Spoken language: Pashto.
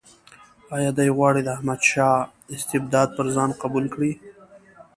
آیا دی غواړي د احمدشاه استبداد پر ځان قبول کړي.